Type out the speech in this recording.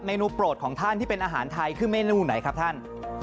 นูโปรดของท่านที่เป็นอาหารไทยคือเมนูไหนครับท่าน